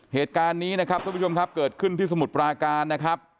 เหตุการณ์นี้นะครับทุกผู้ชมครับเกิดขึ้นที่สมุทรปราการนะครับ